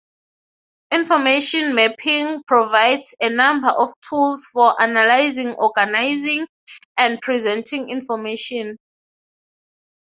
Information mapping provides a number of tools for analyzing, organizing and presenting information.